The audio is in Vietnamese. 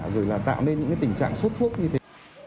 rồi là tạo nên những cái tình trạng xuất thuốc như thế